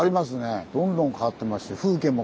どんどん変わってましてああ